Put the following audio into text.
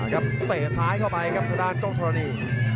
เตะซ้ายเข้าไปครับทางด้านกล้องธรณี